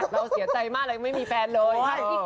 เราเสียใจมากเลยไม่มีแฟนเลย